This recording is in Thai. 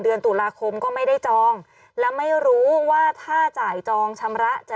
เดือนตุลาคมก็ไม่ได้จองและไม่รู้ว่าถ้าจ่ายจองชำระจะ